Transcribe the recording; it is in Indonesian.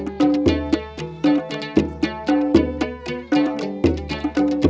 untuk memberikan dorongan positif bagi dunia kopi secara keseluruhan